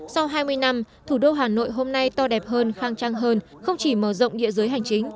sau hai mươi năm thủ đô hà nội hôm nay to đẹp hơn khang trang hơn không chỉ mở rộng địa giới hành chính